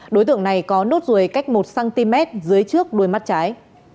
đối tượng này có nốt ruồi cách một cm dưới trước đuôi mắt trái